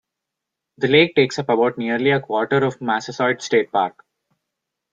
The lake takes up about nearly a quarter of Massasoit State Park.